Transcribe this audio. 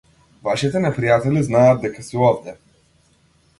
Вашите непријатели знаат дека си овде.